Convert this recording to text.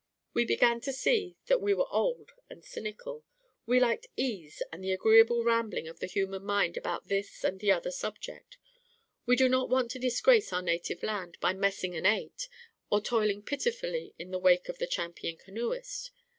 We began to see that we were old and cynical; we liked ease and the agreeable rambling of the human mind about this and the other subject; we did not want to disgrace our native land by messing an eight, or toiling pitifully in the wake of the champion canoeist.